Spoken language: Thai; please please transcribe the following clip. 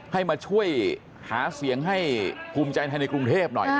ให้มาช่วยหาเสียงให้ภูมิใจไทยในกรุงเทพหน่อย